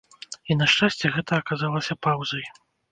І на шчасце, гэта аказалася паўзай.